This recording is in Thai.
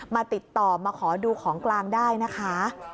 มาติดต่อมาขอดูของกลางได้นะคะ